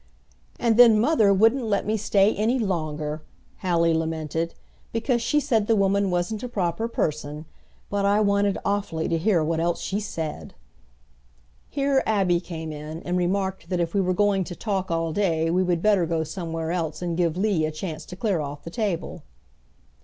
"And then mother wouldn't let me stay any longer," Hallie lamented, "because she said the woman wasn't a proper person. But I wanted awfully to hear what else she said!" Here Abby came in, and remarked that if we were going to talk all day we would better go somewhere else and give Lee a chance to clear off the table.